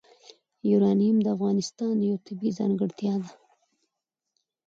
یورانیم د افغانستان یوه طبیعي ځانګړتیا ده.